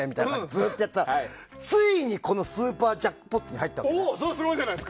ずっとやってたら、ついにこのスーパージャックポットに入ったのね。